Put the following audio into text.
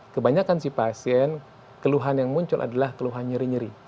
kebanyakan si pasien keluhan yang muncul adalah keluhan nyeri nyeri